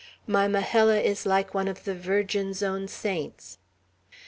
"My Majella is like one of the Virgin's own saints."